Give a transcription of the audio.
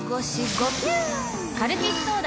カルピスソーダ！